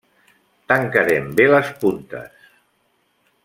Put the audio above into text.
Tancarem bé les puntes.